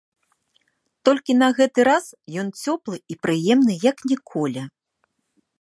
Толькі на гэты раз ён цёплы і прыемны як ніколі.